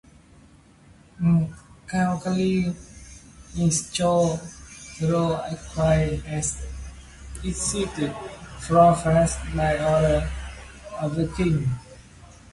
Count Cagliostro, though acquitted, was exiled from France by order of the King.